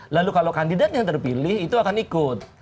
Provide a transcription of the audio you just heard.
lalu kalau kandidat yang terpilih itu akan ikut